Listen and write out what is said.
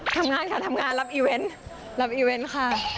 ทำงานค่ะทำงานรับอีเวนต์รับอีเวนต์ค่ะ